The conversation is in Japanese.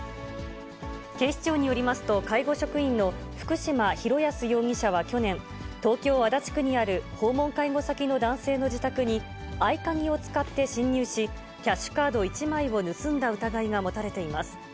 警視庁によりますと、介護職員の福島広保容疑者は去年、東京・足立区にある訪問介護先の男性の自宅に、合鍵を使って侵入し、キャッシュカード１枚を盗んだ疑いが持たれています。